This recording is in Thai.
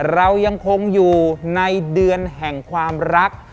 เรายังคงอยู่ในเดือนแห่งความรัก